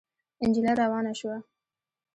نجلۍ روانه شوه.